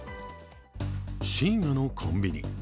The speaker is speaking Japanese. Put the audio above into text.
深夜のコンビニ。